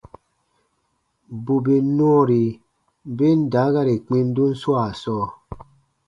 Bù bè nɔɔri ben daakari kpindun swaa sɔɔ,